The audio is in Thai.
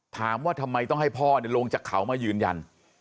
ถามว่าทำไมต้องให้พ่อลงจากเขามายืนยัน